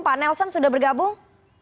pak nelson sudah bergabung